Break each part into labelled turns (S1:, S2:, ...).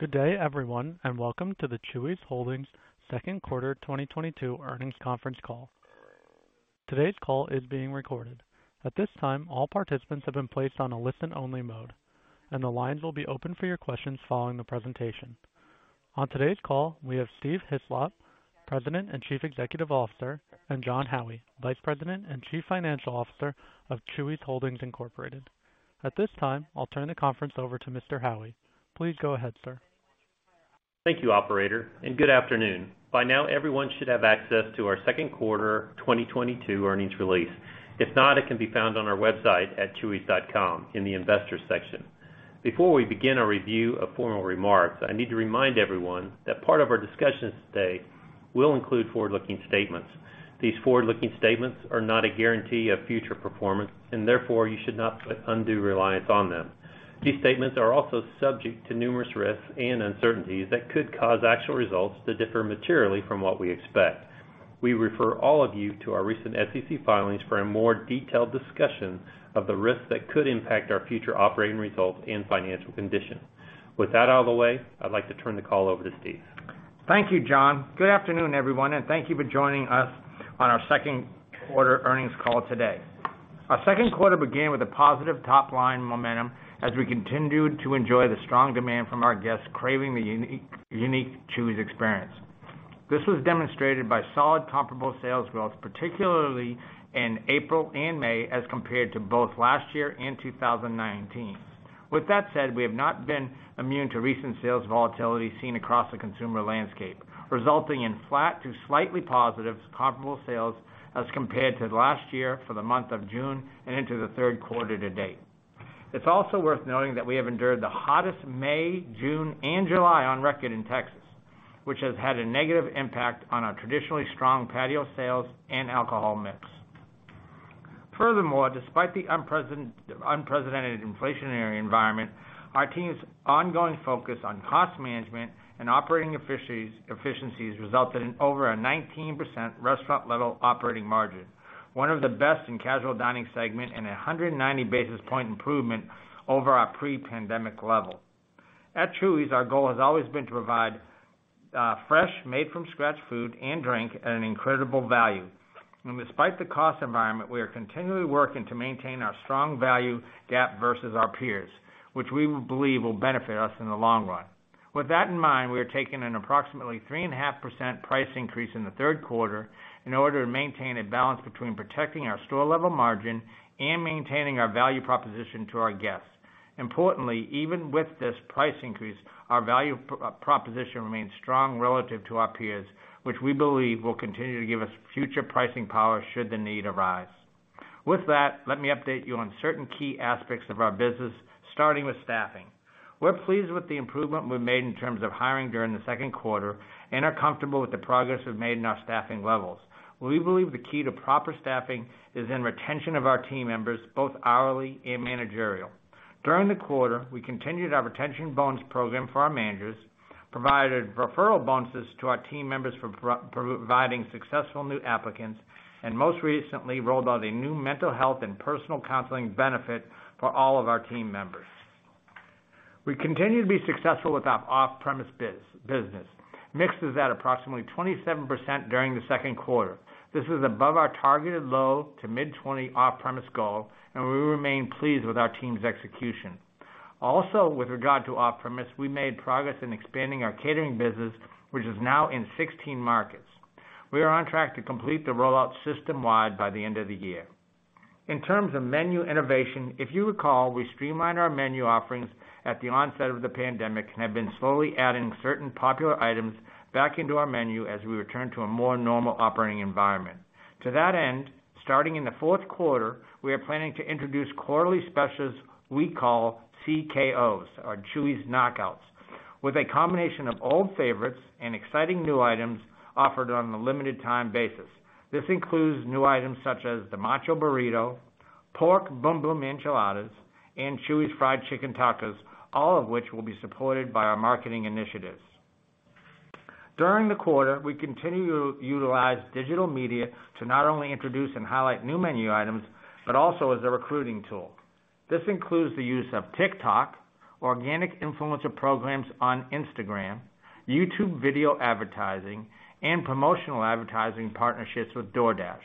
S1: Good day, everyone, and welcome to the Chuy's Holdings second quarter 2022 earnings conference call. Today's call is being recorded. At this time, all participants have been placed on a listen only mode, and the lines will be open for your questions following the presentation. On today's call, we have Steve Hislop, President and Chief Executive Officer, and Jon Howie, Vice President and Chief Financial Officer of Chuy's Holdings, Inc. At this time, I'll turn the conference over to Mr. Howie. Please go ahead, sir.
S2: Thank you, operator, and good afternoon. By now, everyone should have access to our second quarter 2022 earnings release. If not, it can be found on our website at chuys.com in the Investors section. Before we begin our review of formal remarks, I need to remind everyone that part of our discussions today will include forward-looking statements. These forward-looking statements are not a guarantee of future performance, and therefore, you should not put undue reliance on them. These statements are also subject to numerous risks and uncertainties that could cause actual results to differ materially from what we expect. We refer all of you to our recent SEC filings for a more detailed discussion of the risks that could impact our future operating results and financial condition. With that out of the way, I'd like to turn the call over to Steve.
S3: Thank you, Jon. Good afternoon, everyone, and thank you for joining us on our second quarter earnings call today. Our second quarter began with a positive top-line momentum as we continued to enjoy the strong demand from our guests craving the unique Chuy's experience. This was demonstrated by solid comparable sales growth, particularly in April and May, as compared to both last year and 2019. With that said, we have not been immune to recent sales volatility seen across the consumer landscape, resulting in flat to slightly positive comparable sales as compared to last year for the month of June and into the third quarter to date. It's also worth noting that we have endured the hottest May, June, and July on record in Texas, which has had a negative impact on our traditionally strong patio sales and alcohol mix. Furthermore, despite the unprecedented inflationary environment, our team's ongoing focus on cost management and operating efficiencies resulted in over a 19% restaurant level operating margin, one of the best in casual dining segment and a 190 basis point improvement over our pre-pandemic level. At Chuy's, our goal has always been to provide, fresh, made-from-scratch food and drink at an incredible value. Despite the cost environment, we are continually working to maintain our strong value gap versus our peers, which we will believe will benefit us in the long run. With that in mind, we are taking an approximately 3.5% price increase in the third quarter in order to maintain a balance between protecting our store level margin and maintaining our value proposition to our guests. Importantly, even with this price increase, our value proposition remains strong relative to our peers, which we believe will continue to give us future pricing power should the need arise. With that, let me update you on certain key aspects of our business, starting with staffing. We're pleased with the improvement we've made in terms of hiring during the second quarter and are comfortable with the progress we've made in our staffing levels. We believe the key to proper staffing is in retention of our team members, both hourly and managerial. During the quarter, we continued our retention bonus program for our managers, provided referral bonuses to our team members for providing successful new applicants, and most recently, rolled out a new mental health and personal counseling benefit for all of our team members. We continue to be successful with our off-premise business. Mix was at approximately 27% during the second quarter. This is above our targeted low to mid-20% off-premise goal, and we remain pleased with our team's execution. Also, with regard to off-premise, we made progress in expanding our catering business, which is now in 16 markets. We are on track to complete the rollout system-wide by the end of the year. In terms of menu innovation, if you recall, we streamlined our menu offerings at the onset of the pandemic and have been slowly adding certain popular items back into our menu as we return to a more normal operating environment. To that end, starting in the fourth quarter, we are planning to introduce quarterly specials we call CKOs or Chuy's Knockouts, with a combination of old favorites and exciting new items offered on a limited time basis. This includes new items such as the Macho Burrito, Pork Boom-Boom Enchiladas, and Chuy's Fried Chicken Tacos, all of which will be supported by our marketing initiatives. During the quarter, we continue to utilize digital media to not only introduce and highlight new menu items, but also as a recruiting tool. This includes the use of TikTok, organic influencer programs on Instagram, YouTube video advertising, and promotional advertising partnerships with DoorDash.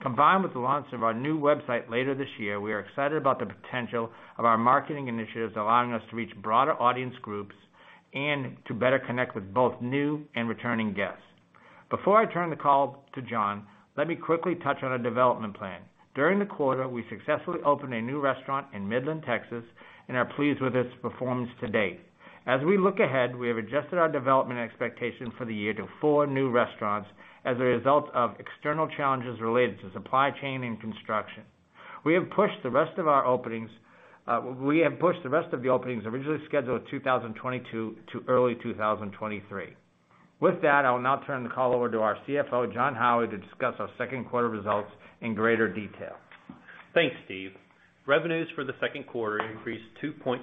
S3: Combined with the launch of our new website later this year, we are excited about the potential of our marketing initiatives allowing us to reach broader audience groups and to better connect with both new and returning guests. Before I turn the call to Jon, let me quickly touch on a development plan. During the quarter, we successfully opened a new restaurant in Midland, Texas and are pleased with its performance to date. As we look ahead, we have adjusted our development expectations for the year to four new restaurants as a result of external challenges related to supply chain and construction. We have pushed the rest of the openings originally scheduled in 2022 to early 2023. With that, I will now turn the call over to our CFO, Jon Howie, to discuss our second quarter results in greater detail.
S2: Thanks, Steve. Revenues for the second quarter increased 2.6%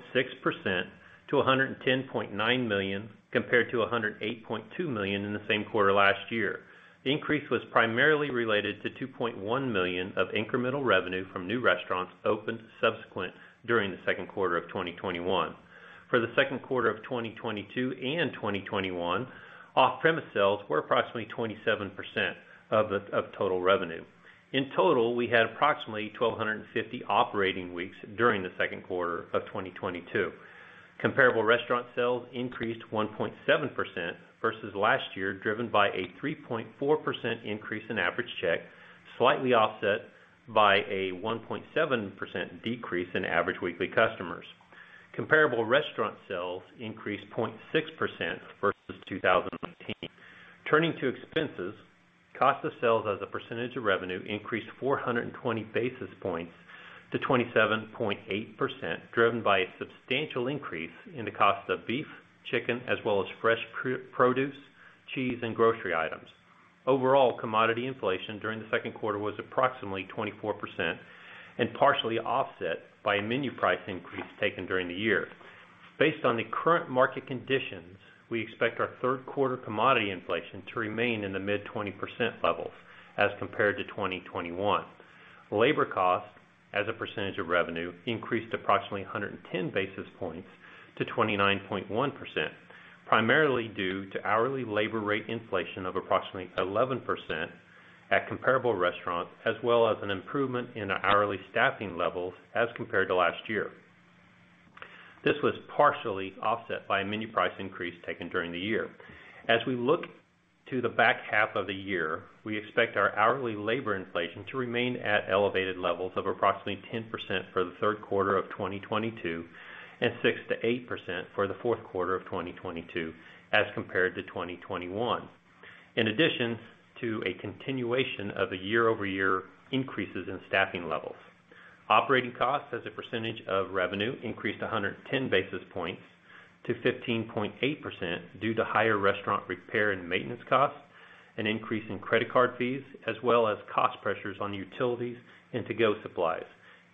S2: to $110.9 million, compared to $108.2 million in the same quarter last year. The increase was primarily related to $2.1 million of incremental revenue from new restaurants opened subsequent during the second quarter of 2021. For the second quarter of 2022 and 2021, off-premise sales were approximately 27% of total revenue. In total, we had approximately 1,250 operating weeks during the second quarter of 2022. Comparable restaurant sales increased 1.7% versus last year, driven by a 3.4% increase in average check, slightly offset by a 1.7% decrease in average weekly customers. Comparable restaurant sales increased 0.6% versus 2019. Turning to expenses, cost of sales as a percentage of revenue increased 420 basis points to 27.8%, driven by a substantial increase in the cost of beef, chicken, as well as fresh produce, cheese, and grocery items. Overall, commodity inflation during the second quarter was approximately 24% and partially offset by a menu price increase taken during the year. Based on the current market conditions, we expect our third quarter commodity inflation to remain in the mid-20% levels as compared to 2021. Labor costs as a percentage of revenue increased approximately 110 basis points to 29.1%, primarily due to hourly labor rate inflation of approximately 11% at comparable restaurants, as well as an improvement in our hourly staffing levels as compared to last year. This was partially offset by a menu price increase taken during the year. As we look to the back half of the year, we expect our hourly labor inflation to remain at elevated levels of approximately 10% for the third quarter of 2022 and 6%-8% for the fourth quarter of 2022 as compared to 2021, in addition to a continuation of the year-over-year increases in staffing levels. Operating costs as a percentage of revenue increased 110 basis points to 15.8% due to higher restaurant repair and maintenance costs, an increase in credit card fees, as well as cost pressures on utilities and to-go supplies.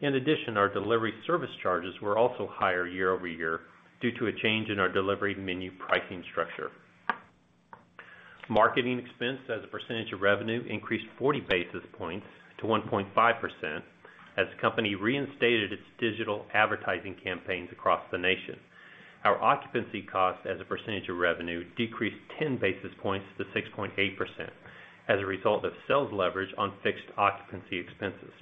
S2: In addition, our delivery service charges were also higher year-over-year due to a change in our delivery menu pricing structure. Marketing expense as a percentage of revenue increased 40 basis points to 1.5% as the company reinstated its digital advertising campaigns across the nation. Our occupancy costs as a percentage of revenue decreased 10 basis points to 6.8% as a result of sales leverage on fixed occupancy expenses.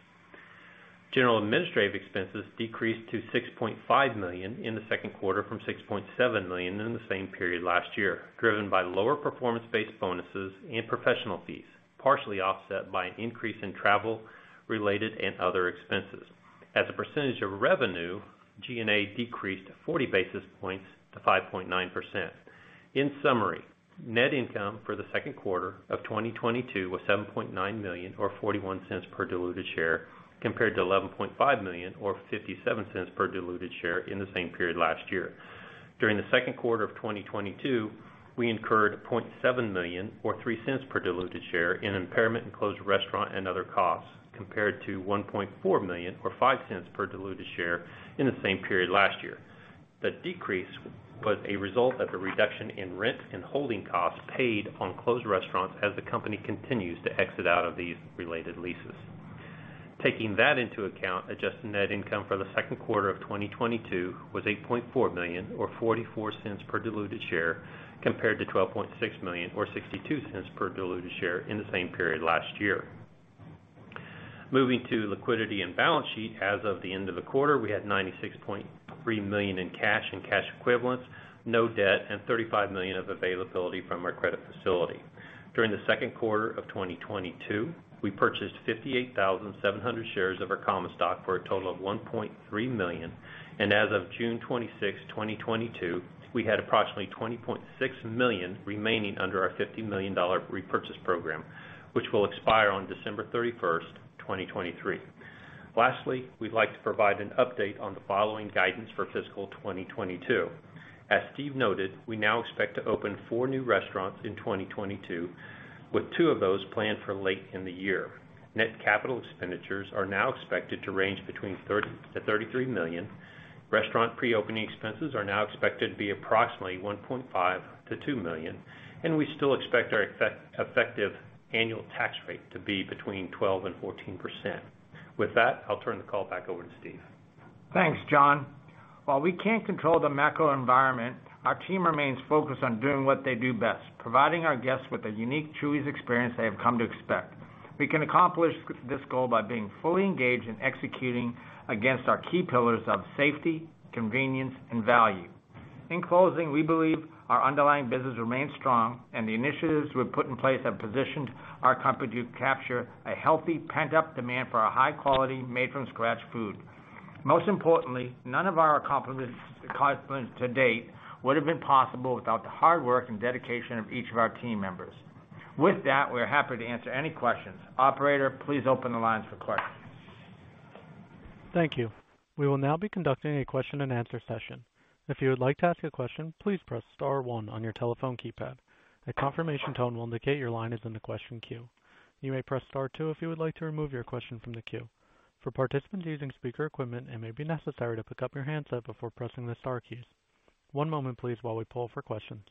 S2: General administrative expenses decreased to $6.5 million in the second quarter from $6.7 million in the same period last year, driven by lower performance-based bonuses and professional fees, partially offset by an increase in travel-related and other expenses. As a percentage of revenue, G&A decreased 40 basis points to 5.9%. In summary, net income for the second quarter of 2022 was $7.9 million or $0.41 per diluted share, compared to $11.5 million or $0.57 per diluted share in the same period last year. During the second quarter of 2022, we incurred $0.7 million or $0.03 per diluted share in impairment in closed restaurant and other costs, compared to $1.4 million or $0.05 per diluted share in the same period last year. The decrease was a result of a reduction in rent and holding costs paid on closed restaurants as the company continues to exit out of these related leases. Taking that into account, adjusted net income for the second quarter of 2022 was $8.4 million or $0.44 per diluted share, compared to $12.6 million or $0.62 per diluted share in the same period last year. Moving to liquidity and balance sheet, as of the end of the quarter, we had $96.3 million in cash and cash equivalents, no debt, and $35 million of availability from our credit facility. During the second quarter of 2022, we purchased 58,700 shares of our common stock for a total of $1.3 million. As of June 26, 2022, we had approximately $20.6 million remaining under our $50 million repurchase program, which will expire on December 31st, 2023. Lastly, we'd like to provide an update on the following guidance for fiscal 2022. As Steve noted, we now expect to open four new restaurants in 2022, with two of those planned for late in the year. Net capital expenditures are now expected to range between $33 million. Restaurant pre-opening expenses are now expected to be approximately $1.5 million-$2 million, and we still expect our effective annual tax rate to be between 12% and 14%. With that, I'll turn the call back over to Steve.
S3: Thanks, Jon. While we can't control the macro environment, our team remains focused on doing what they do best, providing our guests with a unique Chuy's experience they have come to expect. We can accomplish this goal by being fully engaged in executing against our key pillars of safety, convenience, and value. In closing, we believe our underlying business remains strong and the initiatives we've put in place have positioned our company to capture a healthy pent-up demand for our high quality made-from-scratch food. Most importantly, none of our accomplishments to date would have been possible without the hard work and dedication of each of our team members. With that, we're happy to answer any questions. Operator, please open the lines for questions.
S1: Thank you. We will now be conducting a question-and-answer session. If you would like to ask a question, please press star one on your telephone keypad. A confirmation tone will indicate your line is in the question queue. You may press star two if you would like to remove your question from the queue. For participants using speaker equipment, it may be necessary to pick up your handset before pressing the star keys. One moment please while we pull for questions.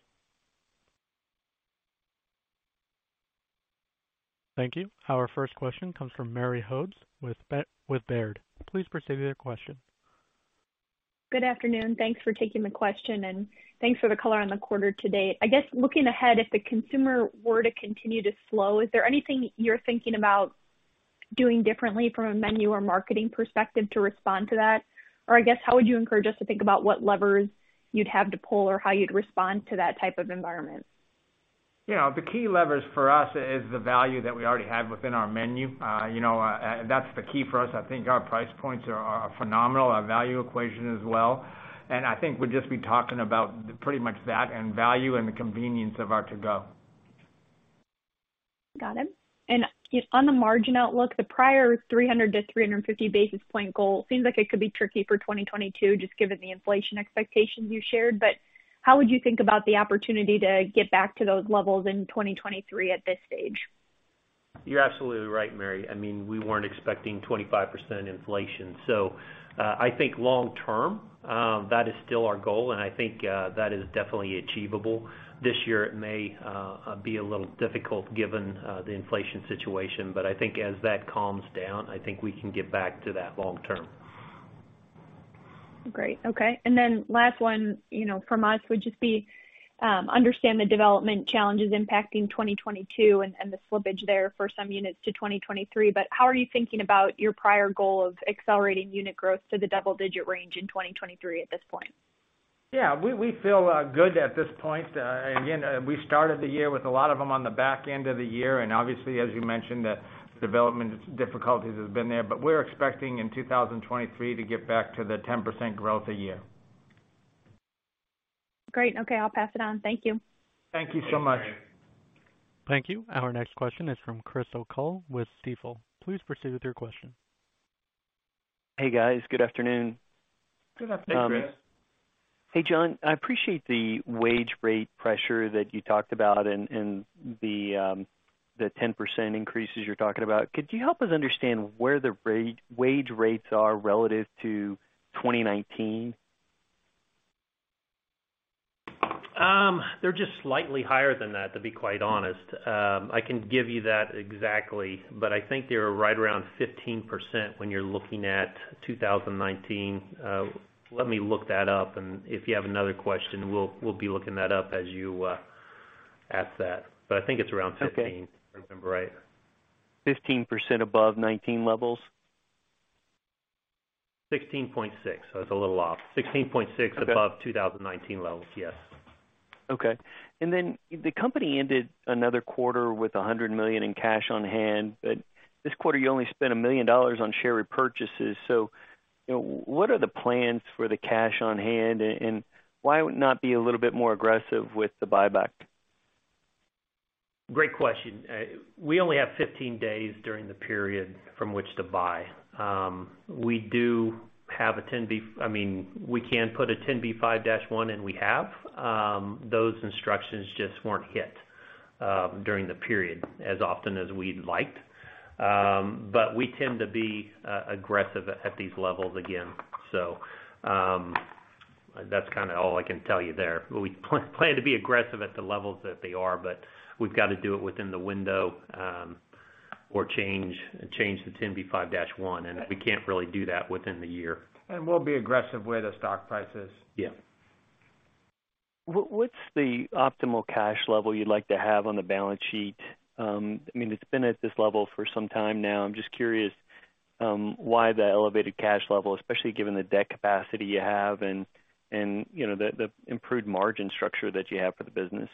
S1: Thank you. Our first question comes from Mary Hodes with Baird. Please proceed with your question.
S4: Good afternoon. Thanks for taking the question, and thanks for the color on the quarter to date. I guess looking ahead, if the consumer were to continue to slow, is there anything you're thinking about doing differently from a menu or marketing perspective to respond to that? Or I guess, how would you encourage us to think about what levers you'd have to pull or how you'd respond to that type of environment?
S3: You know, the key levers for us is the value that we already have within our menu. You know, that's the key for us. I think our price points are phenomenal, our value equation as well. I think we'll just be talking about pretty much that and value and the convenience of our to-go.
S4: Got it. On the margin outlook, the prior 300-350 basis point goal seems like it could be tricky for 2022, just given the inflation expectations you shared. How would you think about the opportunity to get back to those levels in 2023 at this stage?
S2: You're absolutely right, Mary. I mean, we weren't expecting 25% inflation. I think long term, that is still our goal, and I think that is definitely achievable. This year it may be a little difficult given the inflation situation. I think as that calms down, I think we can get back to that long term.
S4: Great. Okay. Last one, you know, from us would just be understand the development challenges impacting 2022 and the slippage there for some units to 2023. How are you thinking about your prior goal of accelerating unit growth to the double digit range in 2023 at this point?
S3: Yeah, we feel good at this point. Again, we started the year with a lot of them on the back end of the year, and obviously, as you mentioned, the development difficulties has been there. We're expecting in 2023 to get back to the 10% growth a year.
S4: Great. Okay, I'll pass it on. Thank you.
S3: Thank you so much.
S2: Thank you, Mary.
S1: Thank you. Our next question is from Chris O'Cull with Stifel. Please proceed with your question.
S5: Hey, guys. Good afternoon.
S3: Good afternoon.
S2: Hey, Chris.
S5: Hey, Jon. I appreciate the wage rate pressure that you talked about and the 10% increases you're talking about. Could you help us understand where the wage rates are relative to 2019?
S2: They're just slightly higher than that, to be quite honest. I can give you that exactly, but I think they're right around 15% when you're looking at 2019. Let me look that up, and if you have another question, we'll be looking that up as you ask that. I think it's around 15%.
S5: Okay.
S2: If I remember right.
S5: 15% above 19 levels?
S2: 16.6%. I was a little off. 16.6% above 2019 levels, yes.
S5: Okay. The company ended another quarter with $100 million in cash on hand. This quarter, you only spent $1 million on share repurchases. You know, what are the plans for the cash on hand, and why would it not be a little bit more aggressive with the buyback?
S2: Great question. We only have 15 days during the period from which to buy. We do have a 10b5-1. I mean, we can put a 10b5-1, and we have. Those instructions just weren't hit during the period as often as we'd like. But we tend to be aggressive at these levels again. That's kinda all I can tell you there. We plan to be aggressive at the levels that they are, but we've got to do it within the window, or change the 10b5-1. We can't really do that within the year.
S3: We'll be aggressive where the stock price is.
S2: Yeah.
S5: What's the optimal cash level you'd like to have on the balance sheet? I mean, it's been at this level for some time now. I'm just curious why the elevated cash level, especially given the debt capacity you have and you know, the improved margin structure that you have for the business.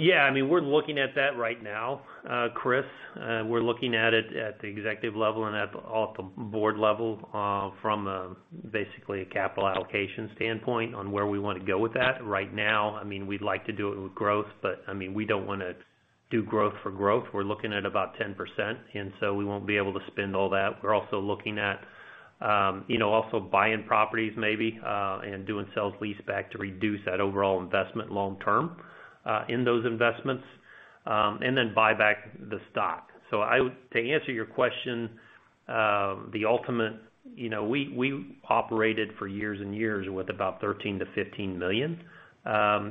S2: Yeah, I mean, we're looking at that right now, Chris. We're looking at it at the executive level and at the board level from basically a capital allocation standpoint on where we want to go with that. Right now, I mean, we'd like to do it with growth, but I mean, we don't wanna do growth for growth. We're looking at about 10%, and so we won't be able to spend all that. We're also looking at you know, also buying properties maybe and doing sale-leaseback to reduce that overall investment long-term in those investments and then buy back the stock. To answer your question, the ultimate. You know, we operated for years and years with about $13 million-$15 million.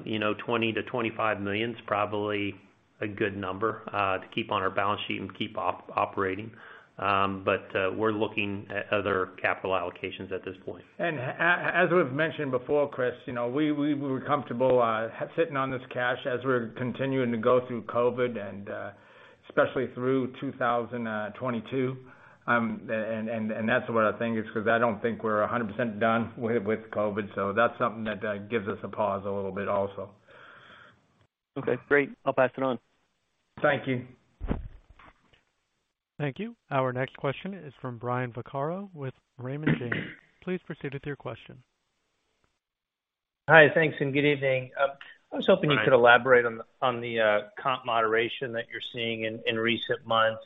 S2: You know, $20 million-25 million is probably a good number to keep on our balance sheet and keep operating. We're looking at other capital allocations at this point.
S3: As we've mentioned before, Chris, you know, we were comfortable sitting on this cash as we're continuing to go through COVID and especially through 2022. That's what I think is 'cause I don't think we're 100% done with COVID. That's something that gives us a pause a little bit also.
S5: Okay, great. I'll pass it on.
S3: Thank you.
S1: Thank you. Our next question is from Brian Vaccaro with Raymond James. Please proceed with your question.
S6: Hi. Thanks, and good evening. I was hoping you could elaborate on the comp moderation that you're seeing in recent months.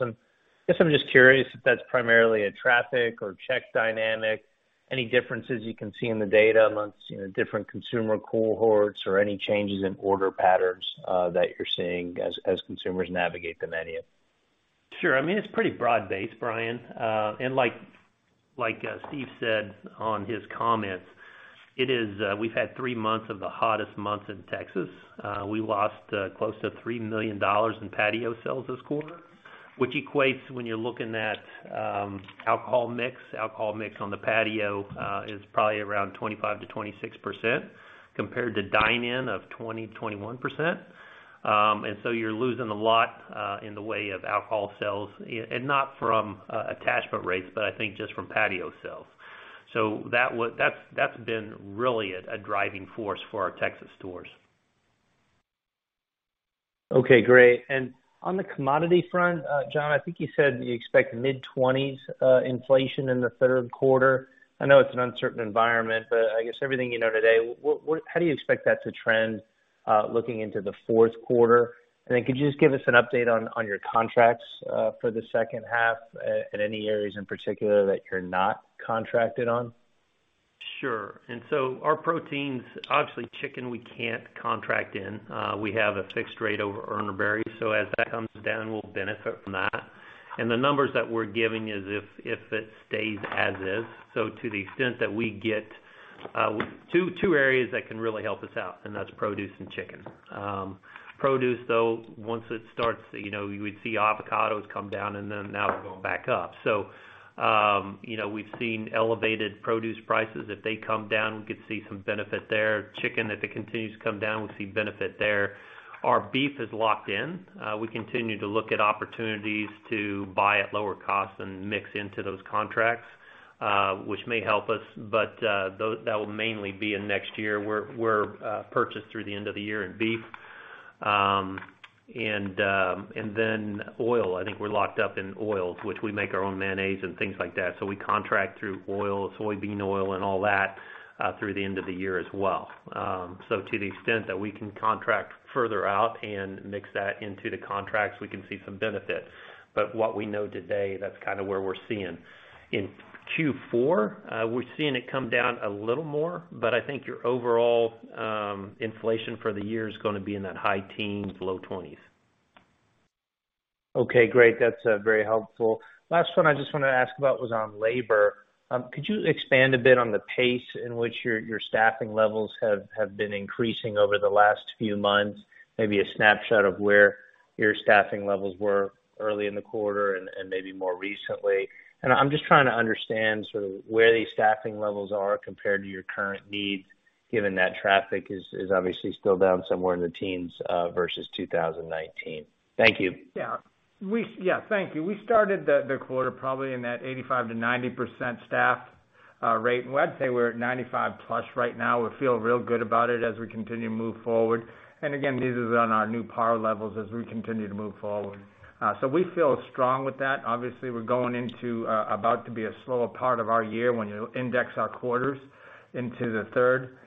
S6: Guess I'm just curious if that's primarily a traffic or check dynamic. Any differences you can see in the data among different consumer cohorts or any changes in order patterns that you're seeing as consumers navigate the menu.
S2: Sure. I mean, it's pretty broad-based, Brian. Like Steve said in his comments, it is. We've had three months of the hottest months in Texas. We lost close to $3 million in patio sales this quarter, which equates when you're looking at alcohol mix. Alcohol mix on the patio is probably around 25%-26% compared to dine-in of 20%-21%. You're losing a lot in the way of alcohol sales and not from attachment rates, but I think just from patio sales. That's been really a driving force for our Texas stores.
S6: Okay, great. On the commodity front, Jon, I think you said you expect mid-20s inflation in the third quarter. I know it's an uncertain environment, but I guess everything you know today, how do you expect that to trend looking into the fourth quarter? Could you just give us an update on your contracts for the second half, and any areas in particular that you're not contracted on?
S2: Sure. Our proteins, obviously, chicken, we can't contract in. We have a fixed rate over Urner Barry. As that comes down, we'll benefit from that. The numbers that we're giving is if it stays as is. To the extent that we get two areas that can really help us out, and that's produce and chicken. Produce, though, once it starts, you know, we'd see avocados come down and then now they're going back up. You know, we've seen elevated produce prices. If they come down, we could see some benefit there. Chicken, if it continues to come down, we'll see benefit there. Our beef is locked in. We continue to look at opportunities to buy at lower cost and mix into those contracts, which may help us, but that will mainly be in next year. We've purchased through the end of the year in beef and then oil. I think we're locked in oils, which we make our own mayonnaise and things like that. We contract for oil, soybean oil and all that through the end of the year as well. To the extent that we can contract further out and mix that into the contracts, we can see some benefit. What we know today, that's kinda where we're seeing. In Q4, we're seeing it come down a little more, but I think our overall inflation for the year is gonna be in that high-teens to low 20s.
S6: Okay, great. That's very helpful. Last one I just wanted to ask about was on labor. Could you expand a bit on the pace in which your staffing levels have been increasing over the last few months? Maybe a snapshot of where your staffing levels were early in the quarter and maybe more recently. I'm just trying to understand sort of where these staffing levels are compared to your current needs, given that traffic is obviously still down somewhere in the teens versus 2019. Thank you.
S3: Yeah. Thank you. We started the quarter probably in that 85%-90% staffed rate. Well, I'd say we're at 95%+ right now. We feel real good about it as we continue to move forward. This is on our new par levels as we continue to move forward. We feel strong with that. Obviously, we're going into about to be a slower part of our year when you index our quarters into the third.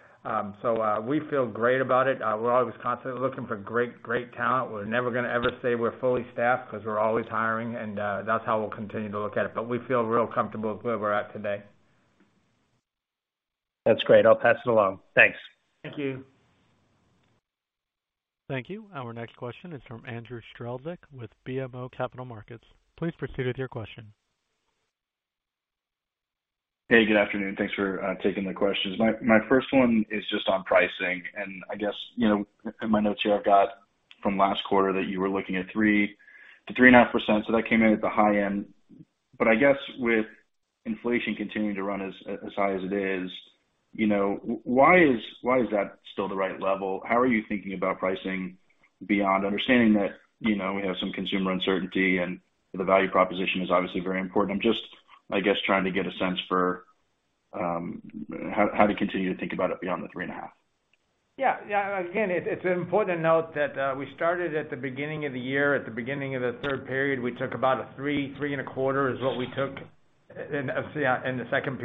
S3: We feel great about it. We're always constantly looking for great talent. We're never gonna ever say we're fully staffed 'cause we're always hiring, and that's how we'll continue to look at it. We feel real comfortable with where we're at today.
S6: That's great. I'll pass it along. Thanks.
S2: Thank you.
S1: Thank you. Our next question is from Andrew Strelzik with BMO Capital Markets. Please proceed with your question.
S7: Hey, good afternoon. Thanks for taking the questions. My first one is just on pricing. I guess, you know, in my notes here, I've got from last quarter that you were looking at 3%-3.5%. So that came in at the high end. I guess with inflation continuing to run as high as it is, you know, why is that still the right level? How are you thinking about pricing beyond understanding that, you know, we have some consumer uncertainty and the value proposition is obviously very important. I'm just, I guess, trying to get a sense for how to continue to think about it beyond the 3.5%.
S3: Yeah. Again, it's important to note that we started at the beginning of the year, at the beginning of the third quarter, we took about a 3.25% is what we took in the second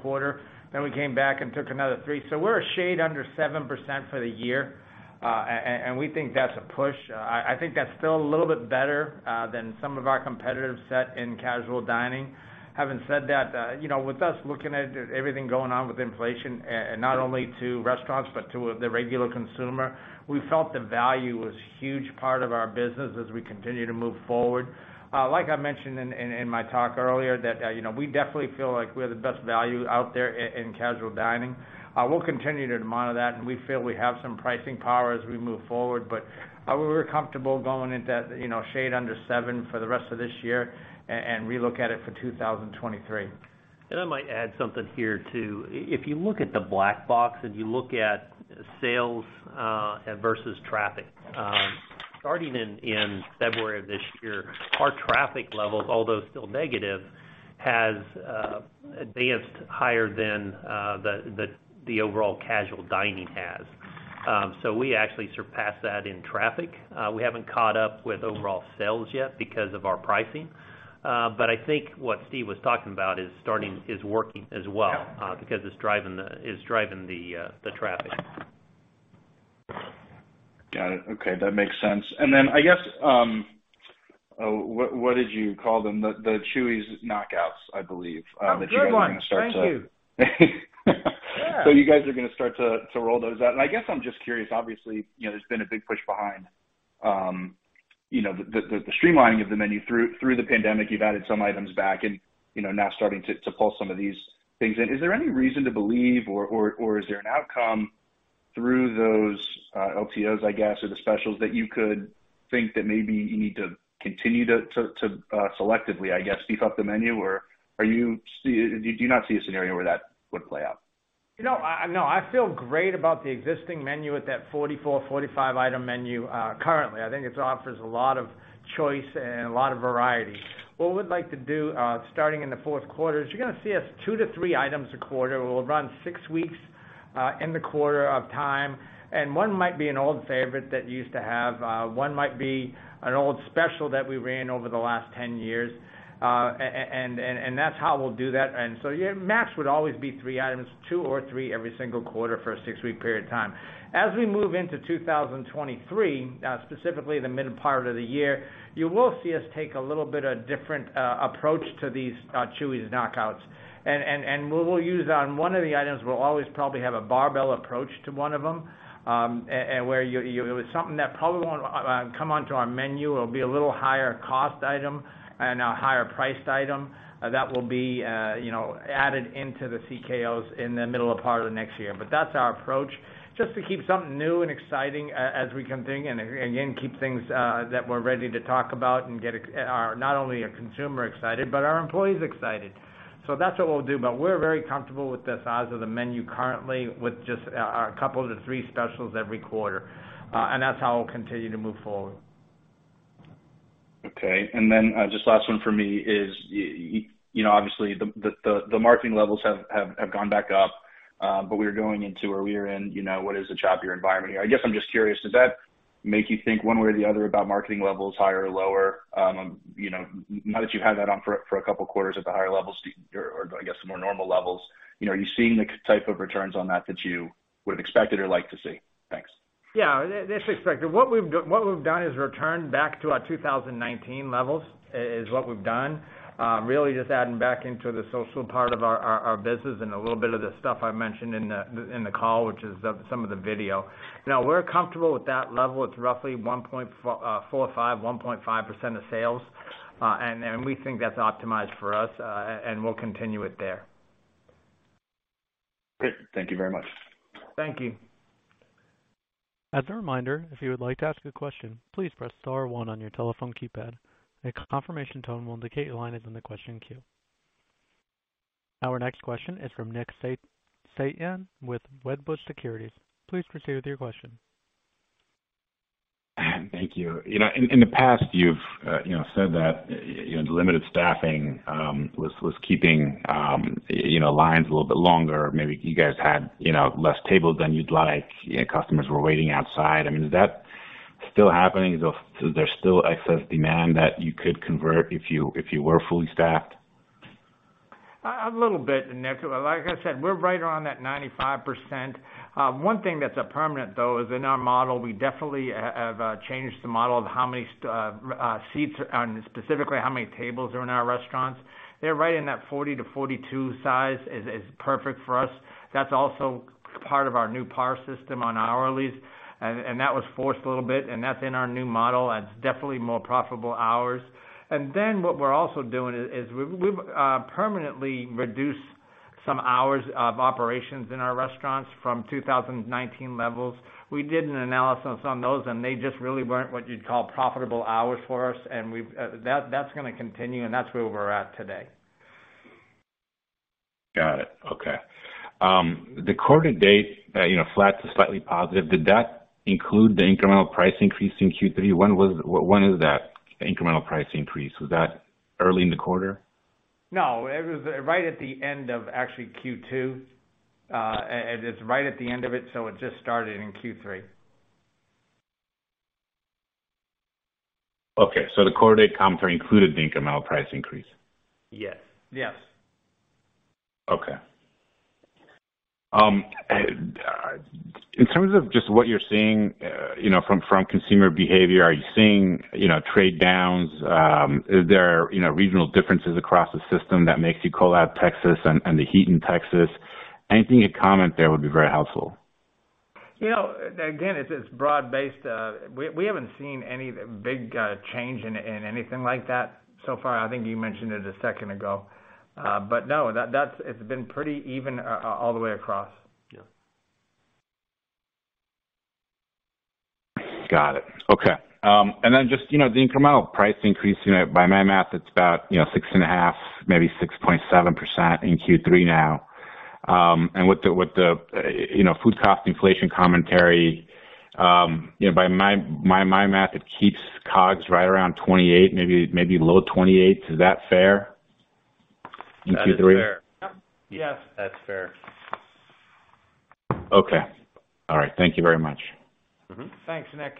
S3: quarter, about 3.25%. We came back and took another 3%. We're a shade under 7% for the year, and we think that's a push. I think that's still a little bit better than some of our competitive set in casual dining. Having said that, you know, with us looking at everything going on with inflation, and not only to restaurants, but to the regular consumer, we felt the value was huge part of our business as we continue to move forward. Like I mentioned in my talk earlier that, you know, we definitely feel like we're the best value out there in casual dining. We'll continue to monitor that, and we feel we have some pricing power as we move forward. We're comfortable going into, you know, shade under seven for the rest of this year and relook at it for 2023.
S2: I might add something here, too. If you look at the Black Box and you look at sales versus traffic, starting in February of this year, our traffic levels, although still negative, has advanced higher than the overall casual dining has. We actually surpassed that in traffic. We haven't caught up with overall sales yet because of our pricing. I think what Steve was talking about is working as well, because it's driving the traffic.
S7: Got it. Okay, that makes sense. I guess, what did you call them? The Chuy's Knockouts, I believe, that you guys are gonna start to.
S3: Good one. Thank you. Yeah.
S7: You guys are gonna start to roll those out. I guess I'm just curious. Obviously, you know, there's been a big push behind you know, the streamlining of the menu through the pandemic. You've added some items back and, you know, now starting to pull some of these things in. Is there any reason to believe or is there an outcome through those LTOs, I guess, or the specials that you could think that maybe you need to continue to selectively, I guess, beef up the menu? Do you not see a scenario where that would play out?
S3: You know, I feel great about the existing menu at that 44-45 item menu currently. I think it offers a lot of choice and a lot of variety. What we'd like to do, starting in the fourth quarter, is you're gonna see us two to three items a quarter. We'll run six weeks in the quarter of time, and one might be an old favorite that you used to have. One might be an old special that we ran over the last 10 years. And that's how we'll do that. Max would always be three items, two or three every single quarter for a six-week period of time. As we move into 2023, specifically the mid part of the year, you will see us take a little bit different approach to these Chuy's Knockouts. We will use one of the items. We'll always probably have a barbell approach to one of them. It's something that probably won't come onto our menu. It'll be a little higher cost item and a higher priced item that will be, you know, added into the CKOs in the middle part of next year. That's our approach, just to keep something new and exciting as we can think. Again, keep things that we're ready to talk about and get not only a consumer excited, but our employees excited. That's what we'll do. We're very comfortable with the size of the menu currently with just a couple to three specials every quarter. That's how we'll continue to move forward.
S7: Okay. Then, just last one for me is you know, obviously, the marketing levels have gone back up. We're going into or we are in, you know, what is a choppier environment here. I guess I'm just curious, does that make you think one way or the other about marketing levels higher or lower? You know, now that you have that on for a couple of quarters at the higher levels or I guess more normal levels, you know, are you seeing the type of returns on that that you would have expected or liked to see? Thanks.
S3: Yeah, as expected. What we've done is returned back to our 2019 levels is what we've done. Really just adding back into the social part of our business and a little bit of the stuff I mentioned in the call, which is some of the video. You know, we're comfortable with that level. It's roughly 1.45%-1.5% of sales. And we think that's optimized for us, and we'll continue it there.
S7: Great. Thank you very much.
S3: Thank you.
S1: As a reminder, if you would like to ask a question, please press star one on your telephone keypad. A confirmation tone will indicate your line is in the question queue. Our next question is from Nick Setyan with Wedbush Securities. Please proceed with your question.
S8: Thank you. You know, in the past, you've you know, said that, you know, limited staffing was keeping you know, lines a little bit longer. Maybe you guys had, you know, less tables than you'd like. You know, customers were waiting outside. I mean, is that still happening? Is there still excess demand that you could convert if you were fully staffed?
S3: A little bit, Nick. Like I said, we're right around that 95%. One thing that's permanent, though, is in our model, we definitely have changed the model of how many seats, specifically how many tables, are in our restaurants. They're right in that 40-42 size, which is perfect for us. That's also part of our new par system on hourlies. That was forced a little bit, and that's in our new model, and it's definitely more profitable hours. What we're also doing is we've permanently reduced some hours of operations in our restaurants from 2019 levels. We did an analysis on those, and they just really weren't what you'd call profitable hours for us. That’s gonna continue, and that's where we're at today.
S8: Got it. Okay. The quarter to date, you know, flat to slightly positive, did that include the incremental price increase in Q3? When is that incremental price increase? Was that early in the quarter?
S3: No, it was right at the end of actually Q2. It's right at the end of it, so it just started in Q3.
S8: Okay. The quarter-to-date comp included the incremental price increase?
S3: Yes. Yes.
S8: Okay. In terms of just what you're seeing, you know, from consumer behavior, are you seeing, you know, trade downs? Is there, you know, regional differences across the system that makes you call out Texas and the heat in Texas? Anything you comment there would be very helpful.
S3: You know, again, it's broad-based. We haven't seen any big change in anything like that so far. I think you mentioned it a second ago. No, it's been pretty even all the way across.
S8: Yeah. Got it. Okay. Just, you know, the incremental price increase, you know, by my math, it's about 6.5%, maybe 6.7% in Q3 now. With the you know, food cost inflation commentary, you know, by my math, it keeps COGS right around 28%, maybe low 28%. Is that fair? In Q3?
S2: Yes, that's fair.
S8: Okay. All right, thank you very much.
S2: Mm-hmm.
S3: Thanks, Nick.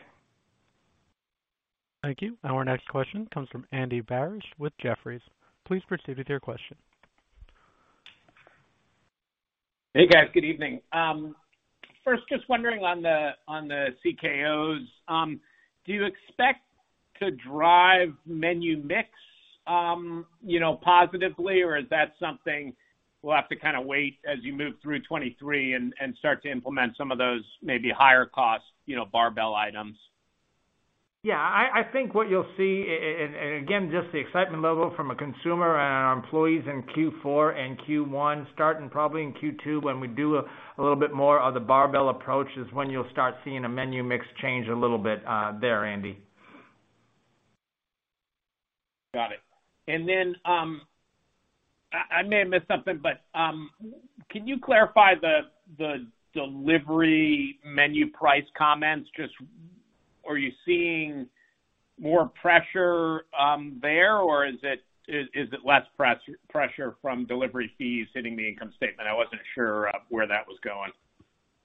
S1: Thank you. Our next question comes from Andy Barish with Jefferies. Please proceed with your question.
S9: Hey, guys. Good evening. First, just wondering on the CKO's, do you expect to drive menu mix, you know, positively? Or is that something we'll have to kinda wait as you move through 2023 and start to implement some of those maybe higher cost, you know, barbell items?
S3: Yeah, I think what you'll see, and again, just the excitement level from a consumer and our employees in Q4 and Q1, starting probably in Q2 when we do a little bit more of the barbell approach is when you'll start seeing a menu mix change a little bit, there, Andy.
S9: Got it. I may have missed something, but can you clarify the delivery menu price comments? Just, are you seeing more pressure there? Or is it less pressure from delivery fees hitting the income statement? I wasn't sure where that was going.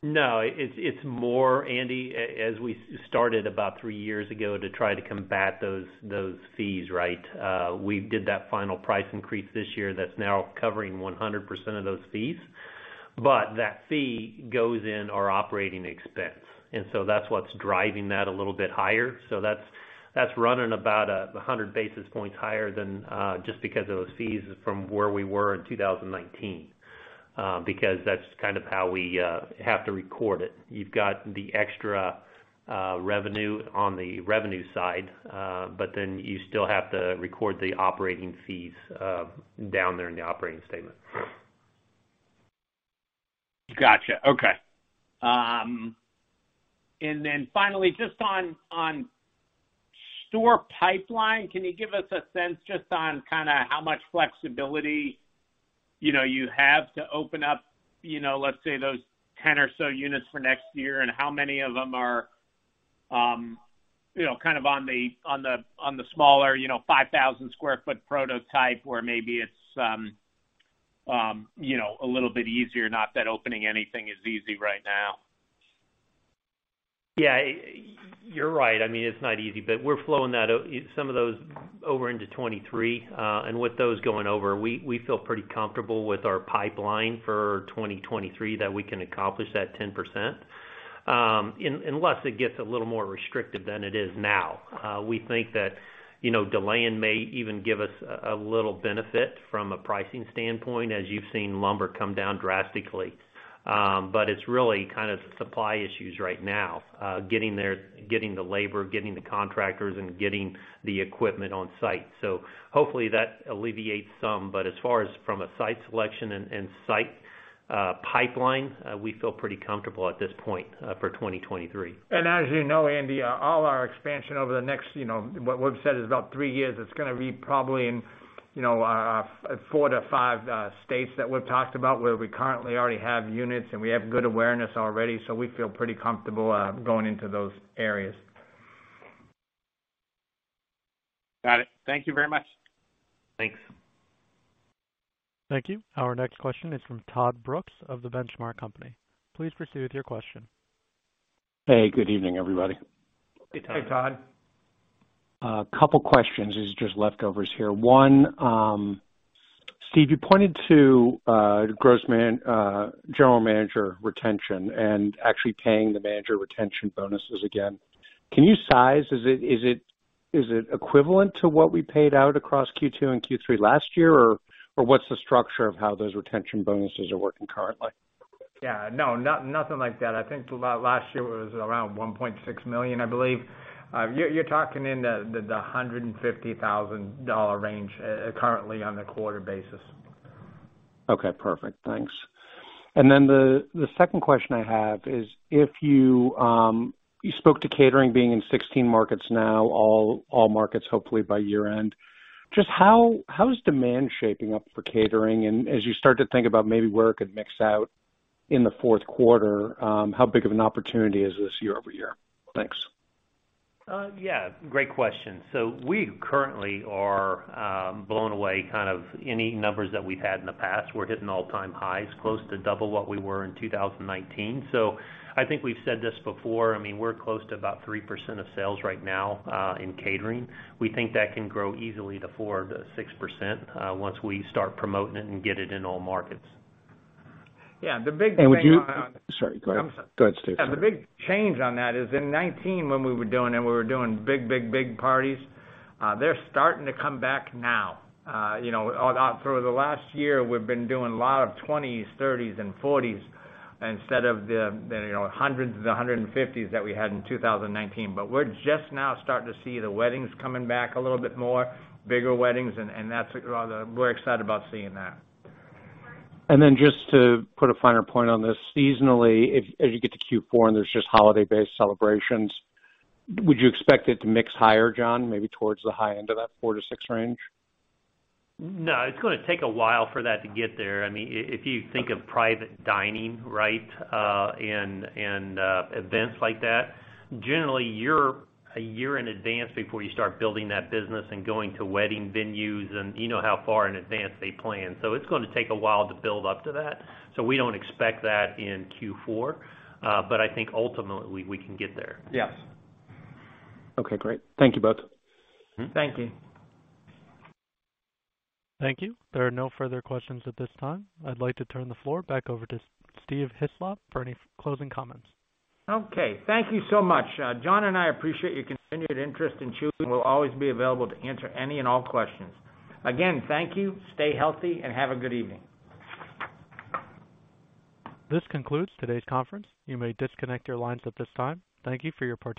S2: No, it's more, Andy, as we started about three years ago to try to combat those fees, right? We did that final price increase this year that's now covering 100% of those fees. That fee goes in our operating expense, and that's what's driving that a little bit higher. That's running about 100 basis points higher than just because of those fees from where we were in 2019, because that's kind of how we have to record it. You've got the extra revenue on the revenue side, but then you still have to record the operating fees down there in the operating statement.
S9: Gotcha. Okay. Finally, just on store pipeline, can you give us a sense just on kinda how much flexibility, you know, you have to open up, you know, let's say those 10 or so units for next year and how many of them are, you know, kind of on the smaller, you know, 5,000 sq ft prototype where maybe it's, you know, a little bit easier, not that opening anything is easy right now.
S2: Yeah, you're right. I mean, it's not easy, but we're flowing some of those over into 2023. With those going over, we feel pretty comfortable with our pipeline for 2023 that we can accomplish that 10%, unless it gets a little more restrictive than it is now. We think that, you know, delaying may even give us a little benefit from a pricing standpoint, as you've seen lumber come down drastically. It's really kind of supply issues right now, getting there, getting the labor, getting the contractors, and getting the equipment on site. Hopefully, that alleviates some. As far as from a site selection and site pipeline, we feel pretty comfortable at this point for 2023.
S3: As you know, Andy, all our expansion over the next, you know, what we've said is about three years, it's gonna be probably in, you know, four to five states that we've talked about where we currently already have units and we have good awareness already, so we feel pretty comfortable going into those areas.
S9: Got it. Thank you very much.
S2: Thanks.
S1: Thank you. Our next question is from Todd Brooks of The Benchmark Company. Please proceed with your question.
S10: Hey, good evening, everybody.
S3: Hey, Todd.
S2: Hey, Todd.
S10: A couple questions. These are just leftovers here. One, Steve, you pointed to general manager retention and actually paying the manager retention bonuses again. Can you size, is it equivalent to what we paid out across Q2 and Q3 last year or what's the structure of how those retention bonuses are working currently?
S3: Yeah. No, nothing like that. I think last year was around $1.6 million, I believe. You're talking in the $150,000 range, currently on a quarter basis.
S10: Okay, perfect. Thanks. The second question I have is if you spoke to catering being in 16 markets now, all markets hopefully by year-end. Just how is demand shaping up for catering? As you start to think about maybe where it could mix out in the fourth quarter, how big of an opportunity is this year-over-year? Thanks.
S2: Yeah, great question. We currently are blown away kind of any numbers that we've had in the past. We're hitting all-time highs, close to double what we were in 2019. I think we've said this before, I mean, we're close to about 3% of sales right now, in catering. We think that can grow easily to 4%-6%, once we start promoting it and get it in all markets.
S3: Yeah, the big thing on.
S10: Sorry, go ahead. Go ahead, Steve.
S3: The big change on that is in 2019 when we were doing it, we were doing big parties. They're starting to come back now. You know, through the last year, we've been doing a lot of 20s, 30s, and 40s instead of the, you know, hundreds, the 100s and 150s that we had in 2019. We're just now starting to see the weddings coming back a little bit more, bigger weddings and that's what we're excited about seeing that.
S10: Just to put a finer point on this. Seasonally, if as you get to Q4 and there's just holiday-based celebrations, would you expect it to mix higher, Jon, maybe towards the high end of that 4%-6% range?
S2: No, it's gonna take a while for that to get there. I mean, if you think of private dining, right, and events like that, generally you're a year in advance before you start building that business and going to wedding venues and you know how far in advance they plan. It's gonna take a while to build up to that. We don't expect that in Q4, but I think ultimately we can get there.
S3: Yes.
S10: Okay, great. Thank you both.
S3: Thank you.
S1: Thank you. There are no further questions at this time. I'd like to turn the floor back over to Steve Hislop for any closing comments.
S3: Okay, thank you so much. Jon and I appreciate your continued interest in Chuy's. We'll always be available to answer any and all questions. Again, thank you, stay healthy, and have a good evening.
S1: This concludes today's conference. You may disconnect your lines at this time. Thank you for your participation.